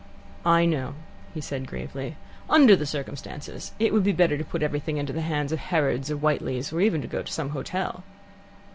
"I know," he said gravely. "Under the circumstances, it would be better to put everything into the hands of Harrod's or Whiteley's, or even to go to some hotel."